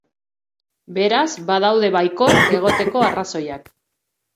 Beraz, badaude baikor egoteko arrazoiak.